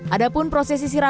ada pun proses isi ramah